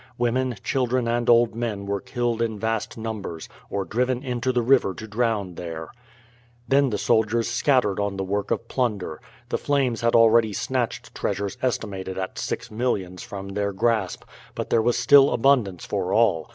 Women, children, and old men were killed in vast numbers, or driven into the river to drown there. Then the soldiers scattered on the work of plunder. The flames had already snatched treasures estimated at six millions from their grasp, but there was still abundance for all.